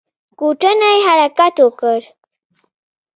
کوټنۍ حرکت وکړ.